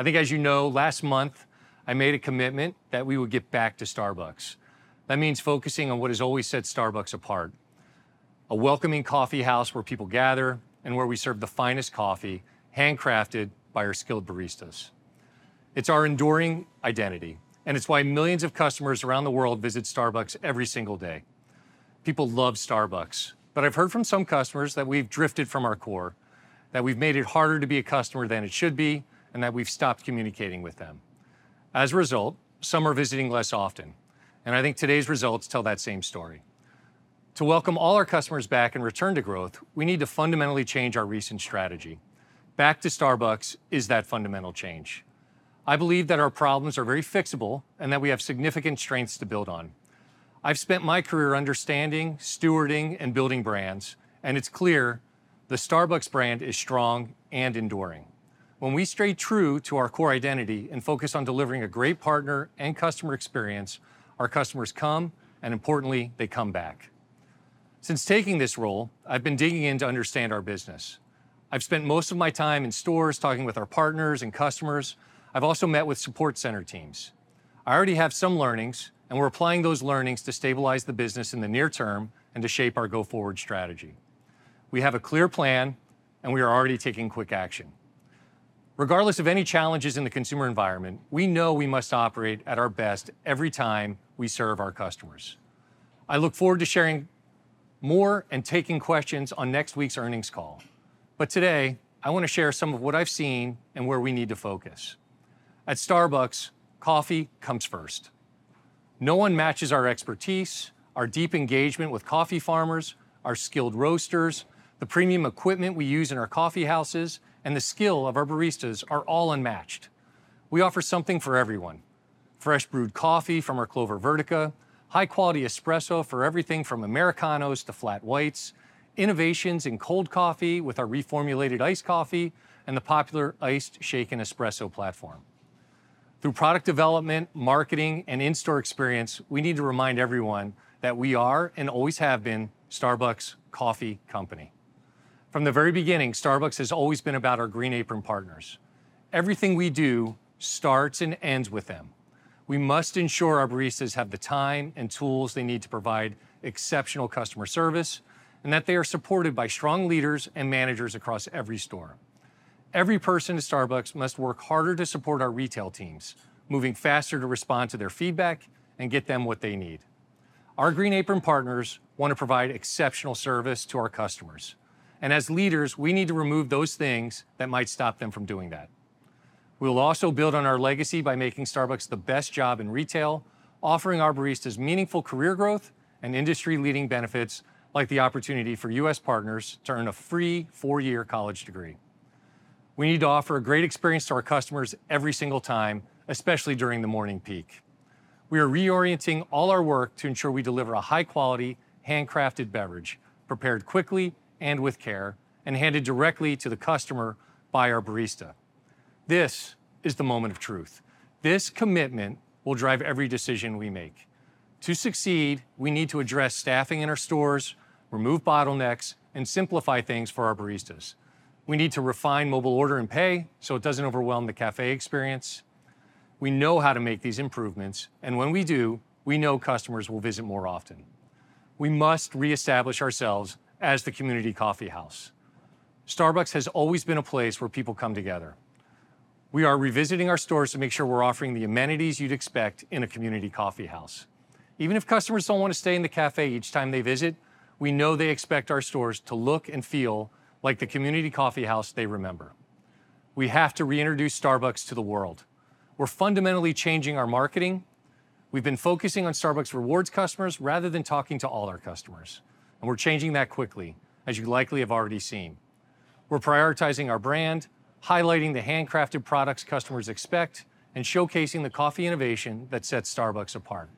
I think as you know, last month, I made a commitment that we would get back to Starbucks. That means focusing on what has always set Starbucks apart, a welcoming coffee house where people gather and where we serve the finest coffee, handcrafted by our skilled baristas. It's our enduring identity, and it's why millions of customers around the world visit Starbucks every single day. People love Starbucks, but I've heard from some customers that we've drifted from our core, that we've made it harder to be a customer than it should be, and that we've stopped communicating with them. As a result, some are visiting less often, and I think today's results tell that same story. To welcome all our customers back and return to growth, we need to fundamentally change our recent strategy. Back to Starbucks is that fundamental change. I believe that our problems are very fixable and that we have significant strengths to build on. I've spent my career understanding, stewarding, and building brands, and it's clear the Starbucks brand is strong and enduring. When we stay true to our core identity and focus on delivering a great partner and customer experience, our customers come, and importantly, they come back. Since taking this role, I've been digging in to understand our business. I've spent most of my time in stores talking with our partners and customers. I've also met with support center teams. I already have some learnings, and we're applying those learnings to stabilize the business in the near term and to shape our go-forward strategy. We have a clear plan, and we are already taking quick action. Regardless of any challenges in the consumer environment, we know we must operate at our best every time we serve our customers. I look forward to sharing more and taking questions on next week's earnings call. But today, I want to share some of what I've seen and where we need to focus. At Starbucks, coffee comes first. No one matches our expertise, our deep engagement with coffee farmers, our skilled roasters, the premium equipment we use in our coffee houses, and the skill of our baristas are all unmatched. We offer something for everyone: fresh brewed coffee from our Clover Vertica, high-quality espresso for everything from Americanos to Flat Whites, innovations in cold coffee with our reformulated iced coffee, and the popular Iced Shaken Espresso platform. Through product development, marketing, and in-store experience, we need to remind everyone that we are, and always have been, Starbucks Coffee Company. From the very beginning, Starbucks has always been about our Green Apron Partners. Everything we do starts and ends with them. We must ensure our baristas have the time and tools they need to provide exceptional customer service, and that they are supported by strong leaders and managers across every store. Every person at Starbucks must work harder to support our retail teams, moving faster to respond to their feedback and get them what they need. Our Green Apron Partners want to provide exceptional service to our customers, and as leaders, we need to remove those things that might stop them from doing that. We'll also build on our legacy by making Starbucks the best job in retail, offering our baristas meaningful career growth and industry-leading benefits, like the opportunity for U.S. partners to earn a free four-year college degree. We need to offer a great experience to our customers every single time, especially during the morning peak. We are reorienting all our work to ensure we deliver a high-quality, handcrafted beverage, prepared quickly and with care, and handed directly to the customer by our barista. This is the moment of truth. This commitment will drive every decision we make. To succeed, we need to address staffing in our stores, remove bottlenecks, and simplify things for our baristas. We need to refine Mobile Order and Pay so it doesn't overwhelm the cafe experience. We know how to make these improvements, and when we do, we know customers will visit more often. We must reestablish ourselves as the community coffee house. Starbucks has always been a place where people come together. We are revisiting our stores to make sure we're offering the amenities you'd expect in a community coffee house. Even if customers don't want to stay in the cafe each time they visit, we know they expect our stores to look and feel like the community coffee house they remember. We have to reintroduce Starbucks to the world. We're fundamentally changing our marketing. We've been focusing on Starbucks Rewards customers rather than talking to all our customers, and we're changing that quickly, as you likely have already seen. We're prioritizing our brand, highlighting the handcrafted products customers expect, and showcasing the coffee innovation that sets Starbucks apart.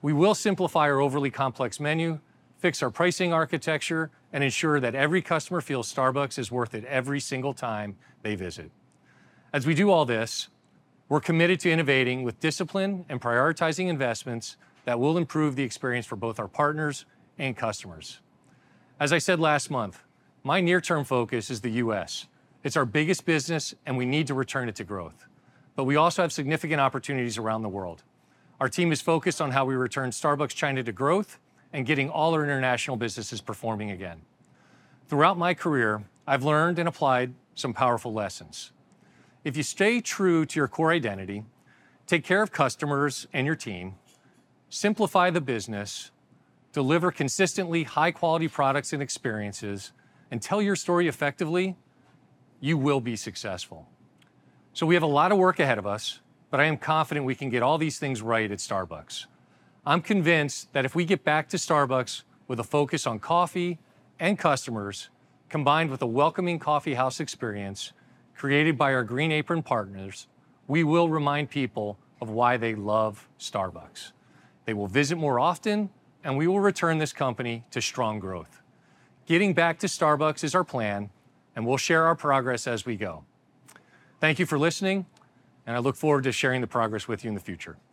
We will simplify our overly complex menu, fix our pricing architecture, and ensure that every customer feels Starbucks is worth it every single time they visit. As we do all this, we're committed to innovating with discipline and prioritizing investments that will improve the experience for both our partners and customers. As I said last month, my near-term focus is the U.S. It's our biggest business, and we need to return it to growth, but we also have significant opportunities around the world. Our team is focused on how we return Starbucks China to growth and getting all our international businesses performing again. Throughout my career, I've learned and applied some powerful lessons. If you stay true to your core identity, take care of customers and your team, simplify the business, deliver consistently high-quality products and experiences, and tell your story effectively, you will be successful. So we have a lot of work ahead of us, but I am confident we can get all these things right at Starbucks. I'm convinced that if we get back to Starbucks with a focus on coffee and customers, combined with a welcoming coffee house experience created by our Green Apron Partners, we will remind people of why they love Starbucks. They will visit more often, and we will return this company to strong growth. Getting back to Starbucks is our plan, and we'll share our progress as we go. Thank you for listening, and I look forward to sharing the progress with you in the future.